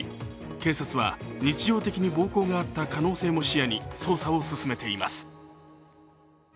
警察は日常的に暴行があった可能性も視野に捜査を進めています。